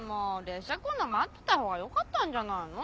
列車来んの待ってたほうがよかったんじゃないの？